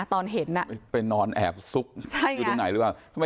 ตอนเห็นไปนอนแอบซุกอยู่ตรงไหนหรือเปล่า